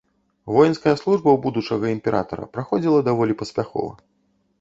Воінская служба ў будучага імператара праходзіла даволі паспяхова.